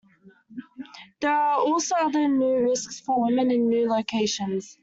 There are also other new risks for women in new locations.